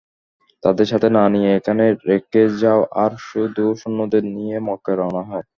তাদের সাথে না নিয়ে এখানে রেখে যাও আর শুধু সৈন্যদের নিয়ে মক্কায় রওনা হও।